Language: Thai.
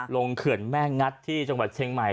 เขื่อนแม่งัดที่จังหวัดเชียงใหม่